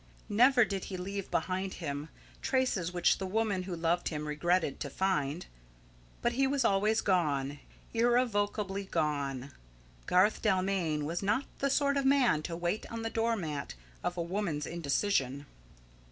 Never did he leave behind him traces which the woman who loved him regretted to find. But he was always gone irrevocably gone. Garth Dalmain was not the sort of man to wait on the door mat of a woman's indecision.